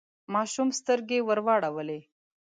ماشوم سترګې ورواړولې.